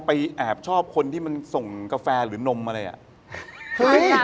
ปากเขาด่าแต่หน้าออก